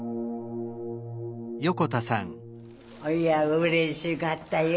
うれしかったよ。